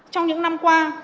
trong những năm qua